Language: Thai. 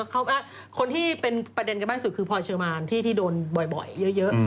คนที่เป็นประเด็นกันมากสุดคือพลอยเชอร์มานที่โดนบ่อยเยอะ